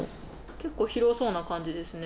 結構広そうな感じですね。